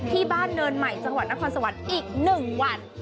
ที่บ้านเนินใหม่จังหวัดนครสวรรค์อีก๑วัน